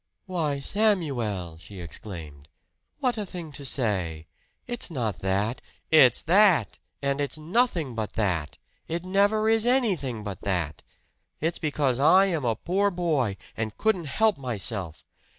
"Why, Samuel!" she exclaimed. "What a thing to say! It's not that " "It's that, and it's nothing but that! It never is anything but that! It's because I am a poor boy, and couldn't help myself!